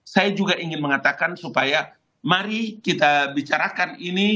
saya juga ingin mengatakan supaya mari kita bicarakan ini